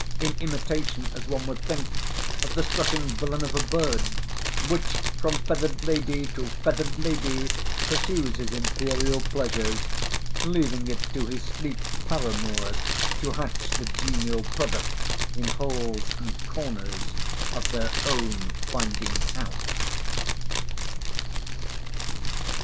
In imitation, as one would think, of the strutting villain of a bird, which from feathered lady to feathered lady pursues his imperial pleasures, leaving it to his sleek paramours to hatch the genial product in holes and corners of their own finding out.